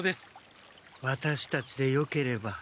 ワタシたちでよければ。